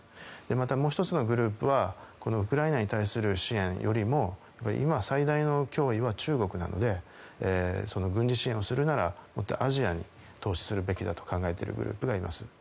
またもう１つのグループはウクライナに対する支援よりも今、最大の脅威は中国なので軍事支援をするならアジアに投資すべきだと考えているグループがいます。